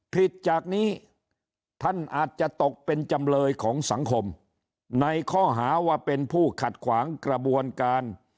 จากนี้ท่านอาจจะตกเป็นจำเลยของสังคมในข้อหาว่าเป็นผู้ขัดขวางกระบวนการ